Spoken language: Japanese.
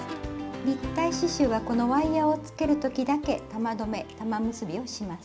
立体刺しゅうはこのワイヤーをつける時だけ玉留め玉結びをします。